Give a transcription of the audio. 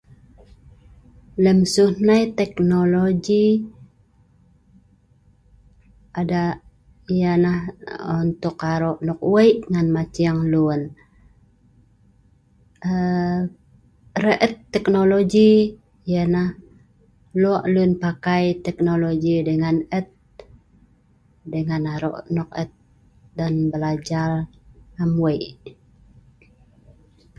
lem siu nai teknologi ..ada..yalah untuk aro' nok wei' ngan maceng lun.. aaa.. re'et teknologi yalah lok lun pakai teknologi dengan et' dengan aro' nok et' dan blajar am wei'